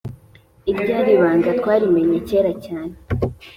Irya ribanga twarimennye kera cyane